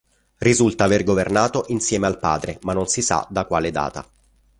Risulta aver governato insieme al padre, ma non si sa da quale data.